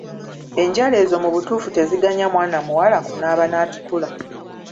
Enjala ezo mu butuufu teziganya mwana muwala kunaaba n'atukula.